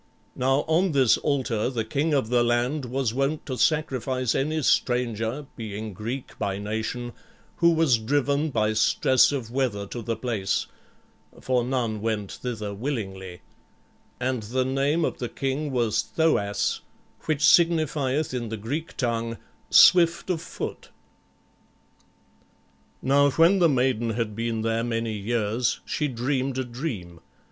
Now on this altar the king of the land was wont to sacrifice any stranger, being Greek by nation, who was driven by stress of weather to the place, for none went thither willingly. And the name of the king was Thoas, which signifieth in the Greek tongue, "swift of foot." [Illustration: IPHIGENIA ABOUT TO BE SACRIFICED] Now when the maiden had been there many years she dreamed a dream.